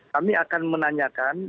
kami akan menanyakan